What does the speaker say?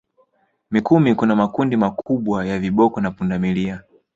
Mikumi kuna makundi makubwa ya viboko na pundamilia